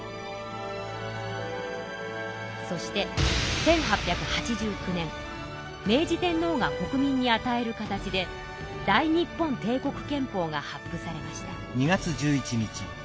そして１８８９年明治天皇が国民にあたえる形で大日本帝国憲法が発布されました。